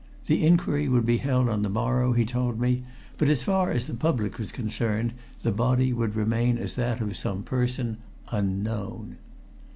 The inquiry would be held on the morrow, he told me, but as far as the public was concerned the body would remain as that of some person "unknown."